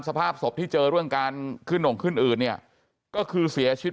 สภาพศพที่เจอเรื่องการขึ้นหน่งขึ้นอืดเนี่ยก็คือเสียชีวิต